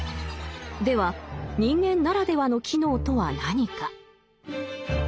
では人間ならではの機能とは何か？